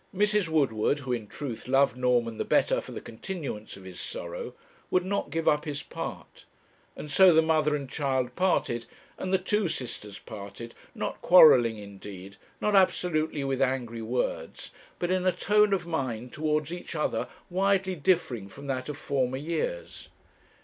Mrs. Woodward, who, in truth, loved Norman the better for the continuance of his sorrow, would not give up his part; and so the mother and child parted, and the two sisters parted, not quarrelling indeed, not absolutely with angry words, but in a tone of mind towards each other widely differing from that of former years.